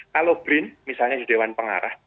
kalau brin misalnya judewan pengarah